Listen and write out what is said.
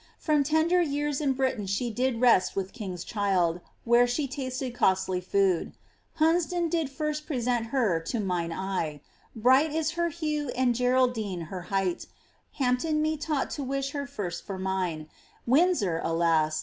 * From tender years in Britain she did rest With kings child,* where she tasted costly food. Hunsdon* did first present her to mine eye. Bright is her hue and Geraidino' she hight, Hampton' me taught to wish her first for mine ; Windsor, alas